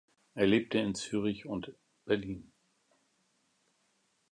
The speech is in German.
Er lebte in Zürich und Berlin.